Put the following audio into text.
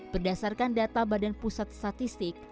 berdasarkan data badan pusat statistik